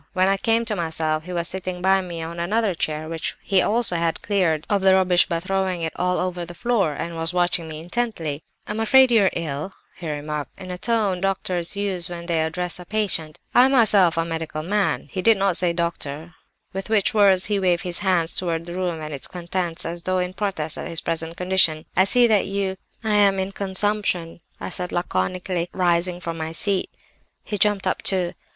When I came to myself he was sitting by me on another chair, which he had also cleared of the rubbish by throwing it all over the floor, and was watching me intently. "'I'm afraid you are ill?' he remarked, in the tone which doctors use when they address a patient. 'I am myself a medical man' (he did not say 'doctor'), with which words he waved his hands towards the room and its contents as though in protest at his present condition. 'I see that you—' "'I'm in consumption,' I said laconically, rising from my seat. "He jumped up, too.